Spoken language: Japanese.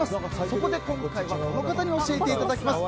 そこで今回は、この方に教えていただきます。